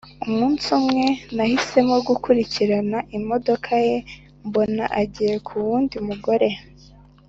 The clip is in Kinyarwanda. umunsi umwe, nahisemo gukurikira imodoka ye mbona agiye ku wundi mugore